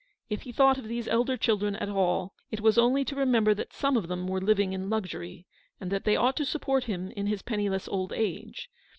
If he thought of these elder children at all, it was only to re member that some of them were living in luxury, and that they ought to support him in his penniless old age.